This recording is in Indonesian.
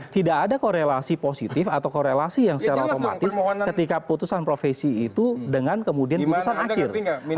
tidak ada korelasi positif atau korelasi yang secara otomatis ketika putusan profesi itu dengan kemudian putusan akhir